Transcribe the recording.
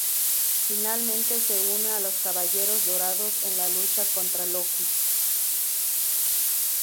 Finalmente se une a los Caballeros Dorados en la lucha contra Loki.